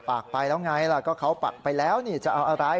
ปากไปแล้วไงล่ะก็เขาปักไปแล้วนี่จะเอาอะไร